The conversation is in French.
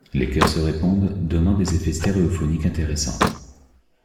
Les chœurs se répondent donnant des effets stéréophoniques intéressants.